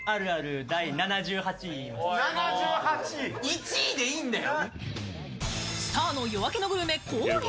１位でいいんだよ！